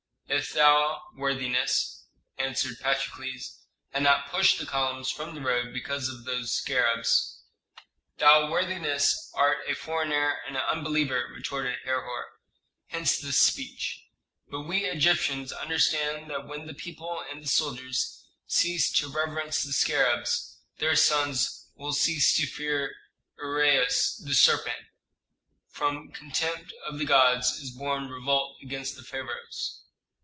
"If thou, worthiness," answered Patrokles, "had not pushed the columns from the road because of those scarabs " "Thou, worthiness, art a foreigner and an unbeliever," retorted Herhor, "hence this speech. But we Egyptians understand that when the people and the soldiers cease to reverence the scarabs, their sons will cease to fear the ureus (the serpent). From contempt of the gods is born revolt against the pharaohs."